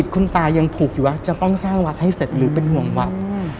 คุณตายังผูกอยู่ว่าจะต้องสร้างวัดให้เสร็จหรือเป็นห่วงวัด